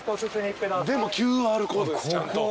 でもＱＲコードですちゃんと。